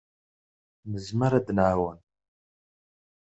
Nezmer ad d-nɛawen.